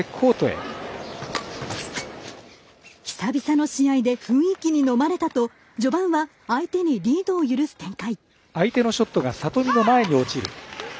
久々の試合で雰囲気にのまれたと序盤は相手にリードを許す展開。